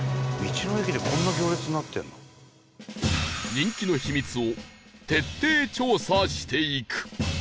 人気の秘密を徹底調査していく